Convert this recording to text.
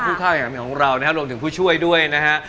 ผู้กล้าลงจากช่วยด้วยนะฮะ